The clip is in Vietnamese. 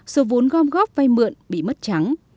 số vốn gom góp vay mượn bị mất trắng